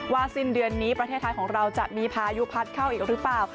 สิ้นเดือนนี้ประเทศไทยของเราจะมีพายุพัดเข้าอีกหรือเปล่า